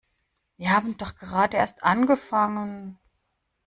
Wir haben doch gerade erst angefangen!